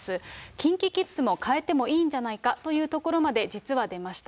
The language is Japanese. ＫｉｎＫｉＫｉｄｓも変えてもいいんじゃないかというところまでじつは出ました。